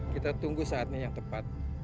kita tunggu saat ini yang tepat